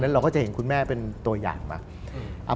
เราก็จะเห็นคุณแม่เป็นตัวอย่างมา